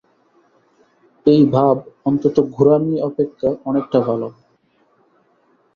এই ভাব অন্তত গোঁড়ামি অপেক্ষা অনেকটা ভাল।